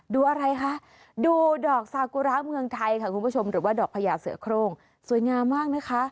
ดูอะไรคะดูดอกซากุระเมืองไทยค่ะคุณผู้ชมหรือว่าดอกพญาเสือโครงสวยงามมากนะคะ